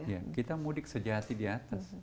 ya kita mudik sejati di atas